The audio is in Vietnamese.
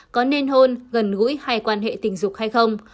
có nên hôn gần gũi hay quan hệ tình dục hay không